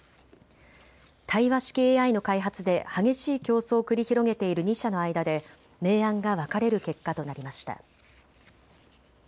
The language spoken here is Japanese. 対話式ＡＩの開発で激しい競争を繰り広げている２社の間で明暗が分かれる結果となりました。